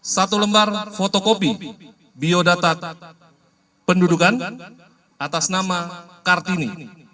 satu lembar fotokopi biodatat pendudukan atas nama kartini